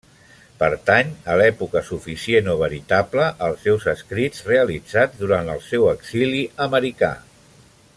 Pertany a l'època suficient o veritable els seus escrits realitzats durant el seu exili americà.